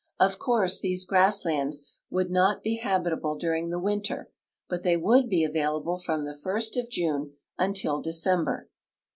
Of course, these grass lands would not be habitable during the winter, but they would be available from the first of June until December.